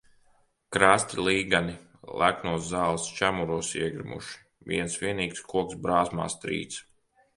Krasti līgani leknos zāles čemuros iegrimuši, viens vienīgs koks brāzmās trīc.